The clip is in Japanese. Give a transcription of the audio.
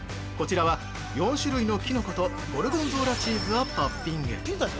こちらは、４種類のキノコとゴルゴンゾーラチーズをトッピング。